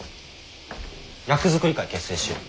役作り会結成しよう。